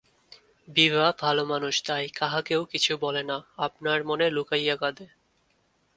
বিভা ভালোমানুষ, তাই কাহাকেও কিছু বলে না, আপনার মনে লুকাইয়া কাঁদে।